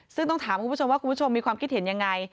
ซึ่งต้องถามคุณผู้ชมว่าคุณผู้ชมมีความคิดเห็นยังไง